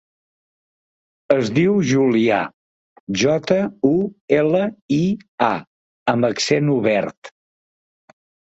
Es diu Julià: jota, u, ela, i, a amb accent obert.